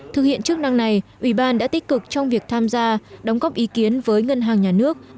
thực hiện chức năng này ủy ban đã tích cực trong việc tham gia đóng góp ý kiến với ngân hàng nhà nước